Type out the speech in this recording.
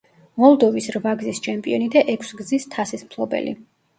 მოლდოვის რვაგზის ჩემპიონი და ექვსგზის თასის მფლობელი.